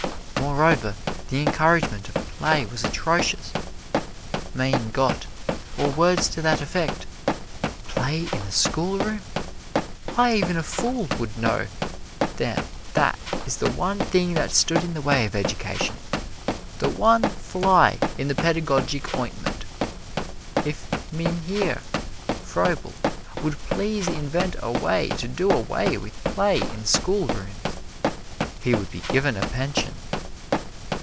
Moreover, the encouragement of play was atrocious. Mein Gott, or words to that effect, play in a schoolroom! Why, even a fool would know that that is the one thing that stood in the way of education, the one fly in the pedagogic ointment. If Mynheer Froebel would please invent a way to do away with play in schoolrooms, he would be given a pension.